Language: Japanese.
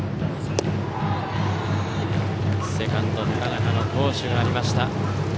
セカンド、高中の好守がありました。